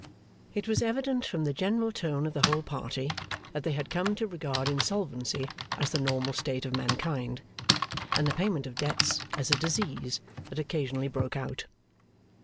It was evident from the general tone of the whole party, that they had come to regard insolvency as the normal state of mankind, and the payment of debts as a disease that occasionally broke out.